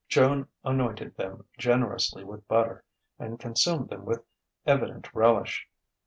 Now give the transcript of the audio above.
Joan anointed them generously with butter and consumed them with evident relish.